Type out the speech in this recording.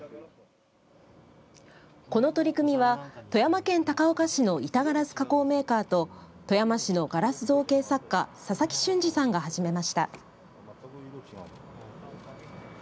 この取り組みは富山県高岡市の板ガラス加工メーカーと富山市のガラス造形作家佐々木俊仁さんが始めました。